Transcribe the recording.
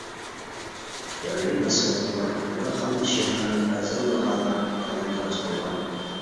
يەرلىك مەھسۇلاتلار ۋە خام ئەشيالارنى ئەرزان باھادا تالان-تاراج قىلغان.